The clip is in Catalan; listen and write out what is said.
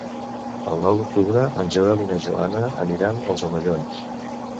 El nou d'octubre en Joel i na Joana aniran als Omellons.